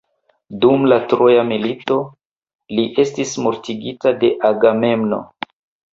Dum la troja milito, li estis mortigita de Agamemno.